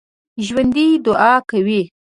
ژوندي دعا کوي